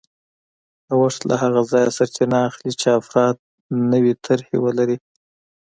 نوښت له هغه ځایه سرچینه اخلي چې افراد نوې طرحې ولري